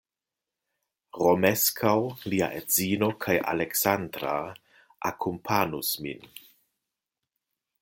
Romeskaŭ, lia edzino kaj Aleksandra akampanus min.